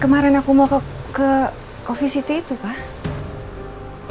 kemarin aku mau ke ke coffee city itu pak